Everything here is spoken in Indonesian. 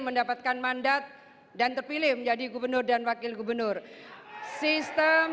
mendapatkan mandat dan terpilih menjadi gubernur dan wakil gubernur sistem